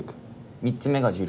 ３つ目が重力。